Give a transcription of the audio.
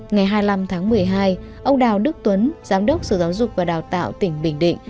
ngày hai mươi năm tháng một mươi hai ông đào đức tuấn giám đốc sở giáo dục và đào tạo tỉnh bình định